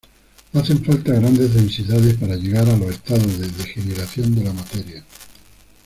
Hacen falta grandes densidades para llegar a los estados de degeneración de la materia.